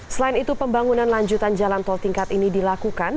selain itu pembangunan lanjutan jalan tol tingkat ini dilakukan